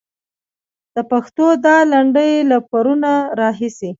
د پښتو دا لنډۍ له پرونه راهيسې.